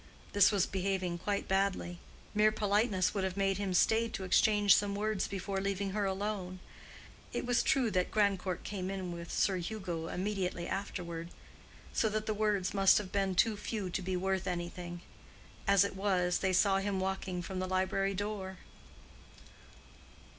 This was behaving quite badly. Mere politeness would have made him stay to exchange some words before leaving her alone. It was true that Grandcourt came in with Sir Hugo immediately after, so that the words must have been too few to be worth anything. As it was, they saw him walking from the library door.